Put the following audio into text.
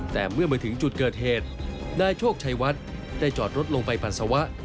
แต่เมื่อมาถึงจุดเกิดเหตุนายโชคชัยวัดได้จอดรถลงไปปัสสาวะ